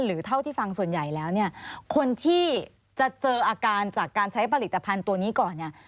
เท่าที่ฟังส่วนใหญ่แล้วเนี่ยคนที่จะเจออาการจากการใช้ผลิตภัณฑ์ตัวนี้ก่อนเนี่ย